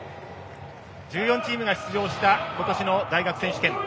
１４チームが出場した今年の大学選手権。